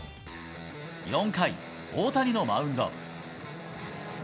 ４回、大谷のマウンド。